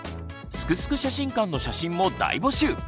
「すくすく写真館」の写真も大募集！